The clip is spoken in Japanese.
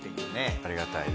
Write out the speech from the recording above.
ありがたいね。